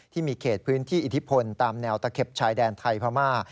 ที่มีเขตพื้นที่อิทธิพลตามแนวตะเข็บชายแดนไทยพม่า